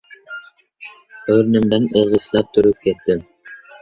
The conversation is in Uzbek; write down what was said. — O‘rnimdan irg‘ishlab turib ketdim.